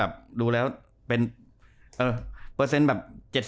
เปอร์เซนต์แบบ๗๐๘๐